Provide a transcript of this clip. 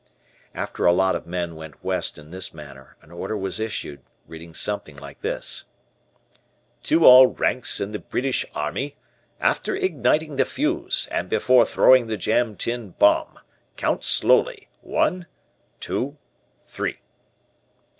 After a lot of men went West in this manner, an order was issued, reading something like this: "To all ranks in the British Army after igniting the fuse and before throwing the jam tin bomb, count slowly one! two! three!"